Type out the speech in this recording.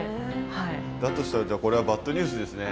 だとしたらじゃあこれはバッドニュースですね。